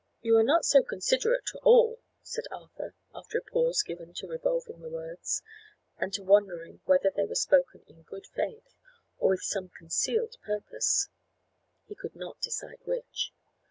"You are not so considerate to all," said Arthur, after a pause given to revolving the words, and to wondering whether they were spoken in good faith, or with some concealed purpose. He could not decide which.